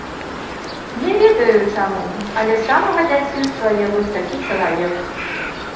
Не ведаю, чаму, але з самага дзяцінства я вось такі чалавек.